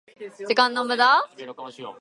時間の無駄？